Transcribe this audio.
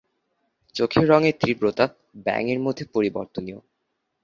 চোখের রঙের তীব্রতা ব্যাঙের মধ্যে পরিবর্তনীয়।